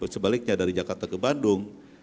sebaliknya dari jakarta ke bandung